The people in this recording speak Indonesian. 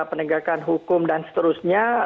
penegakan hukum dan seterusnya